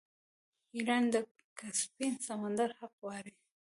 ایران د کسپین سمندر حق غواړي.